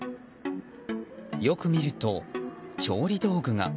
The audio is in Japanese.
よく見ると、調理道具が。